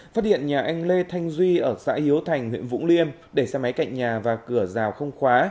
phát hiện nhà anh lê thanh duy ở xã hiếu thành huyện vũng liêm để xe máy cạnh nhà và cửa rào không khóa